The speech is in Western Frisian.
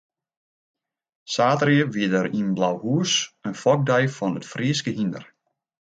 Saterdei wie der yn Blauhûs in fokdei fan it Fryske hynder.